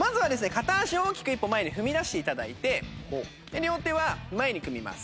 片足を大きく１歩前に踏み出して頂いて両手は前に組みます。